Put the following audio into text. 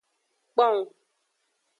Kpong.